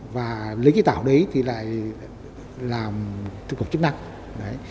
và lấy cái tạo đấy thì lại làm thực phẩm chức năng